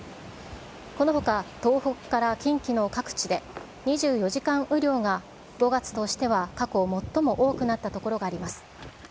このほか東北から近畿の各地で２４時間雨量が５月としては過去最も多くなった所があります。